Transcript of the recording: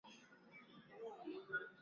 Kuna dhahiri jambo kama jambo jema sana